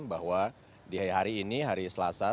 bahwa di hari ini hari selasa